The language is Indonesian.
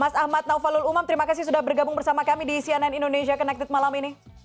mas ahmad naufalul umam terima kasih sudah bergabung bersama kami di cnn indonesia connected malam ini